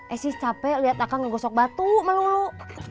eh sih capek liat akang ngegosok batu melulu